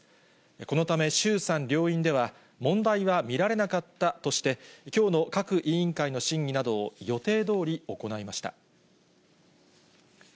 このため、衆参両院では問題は見られなかったとして、きょうの各委員会の審議などを予定通り行いました。